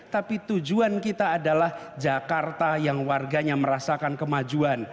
tapi tujuan kita adalah jakarta yang warganya merasakan kemajuan